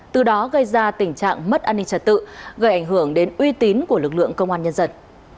từ đó gây ra tình trạng mất an ninh trật tự gây ảnh hưởng đến uy tín của lực lượng công an nhân dân